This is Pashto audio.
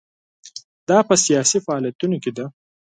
دا په سیاسي فعالیتونو کې ده.